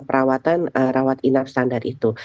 dua belas kriteria bagaimana kelas rawat inap standar itu